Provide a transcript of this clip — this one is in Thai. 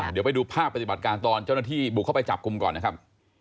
เดี๋ยวไปดูภาพปฏิบัติการตอนเจ้าหน้าที่บุกเข้าไปจับกลุ่มก่อนนะครับ